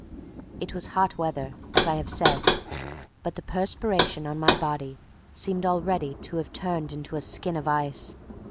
It was hot weather, as I have said, but the perspiration on my body seemed already to have turned into a skin of ice.